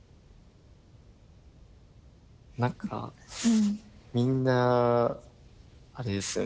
何かみんなあれですよね